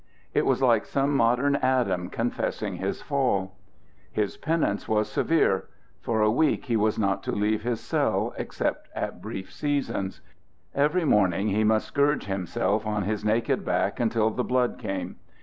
It was like some modern Adam confessing his fall. His penance was severe. For a week he was not to leave his cell, except at brief seasons. Every morning he must scourge himself on his naked back until the blood came.